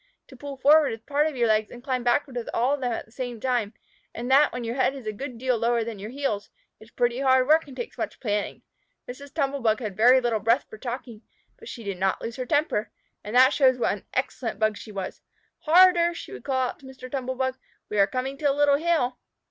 To pull forward with part of your legs and climb backward with all of them at the same time, and that when your head is a good deal lower than your heels, is pretty hard work and takes much planning. Mrs. Tumble bug had very little breath for talking, but she did not lose her temper. And that shows what an excellent Bug she was. "Harder!" she would call out to Mr. Tumble bug. "We are coming to a little hill."